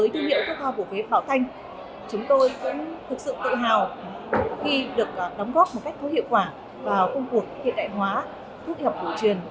thực sự tự hào khi được đóng góp một cách có hiệu quả vào công cuộc hiện đại hóa thuốc y học cổ truyền